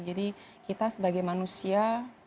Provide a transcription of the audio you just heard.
jadi kita sebagai manusia